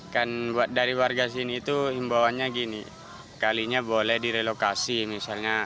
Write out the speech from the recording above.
kan dari warga sini itu himbawannya gini kalinya boleh direlokasi misalnya